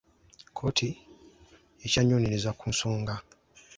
Kkooti ekyanoonyereza ku nsonga.